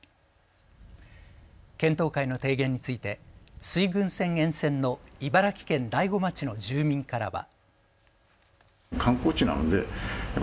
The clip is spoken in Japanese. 検討会の提言について水郡線沿線の茨城県大子町の住民からは。